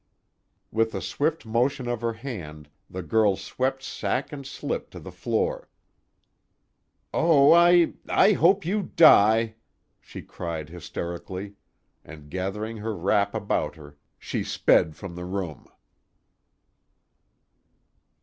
With a swift motion of her hand the girl swept sack and slip to the floor. "Oh, I I hope you die!" she cried hysterically, and gathering her wrap about her, she sped from the room.